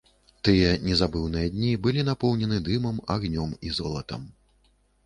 Тыя незабыўныя дні былі напоўнены дымам, агнём і золатам.